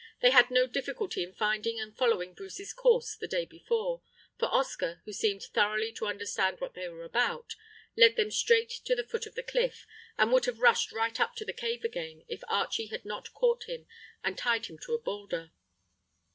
They had no difficulty in finding and following Bruce's course the day before, for Oscar, who seemed to thoroughly understand what they were about, led them straight to the foot of the cliff, and would have rushed right up to the cave again if Archie had not caught him and tied him to a boulder.